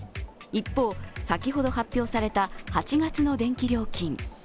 一方、先ほど発表された８月の電気料金。